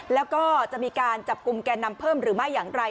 แล้วก็จะมีการจับกลุ่มแก่นำเพิ่มหรือไม่อย่างไร